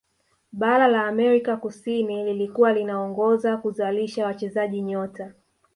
bara la amerika kusini lilikuwa linaongoza kuzalisha wachezaji nyota